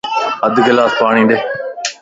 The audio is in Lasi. اڌ گلاس پاڻين ڏي